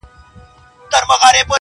هره ورځ به وو دهقان ته پټ په غار کي-